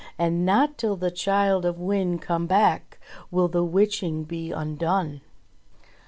And not till the Childe of Wynde come back Will the witching be undone."